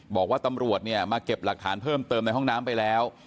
บอกว่าตำรวจเนี่ยมาเก็บหลักฐานเพิ่มเติมในห้องน้ำไปแล้ว